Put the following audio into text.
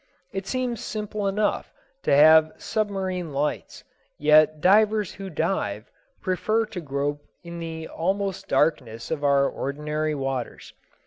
It seems simple enough to have submarine lights; yet divers who dive prefer to grope in the almost darkness of our ordinary waters.